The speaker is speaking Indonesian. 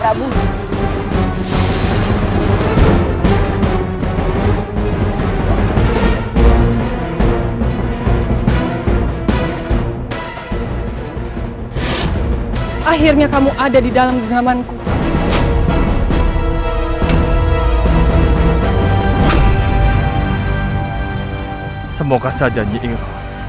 alhamdulillah aman sadar